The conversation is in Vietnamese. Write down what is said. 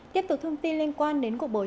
tiếp tục thông tin liên quan đến cuộc bồi